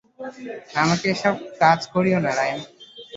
আমাকে এসব কাজ করিও না, রাইম।